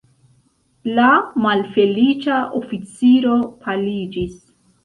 La malfeliĉa oficiro paliĝis.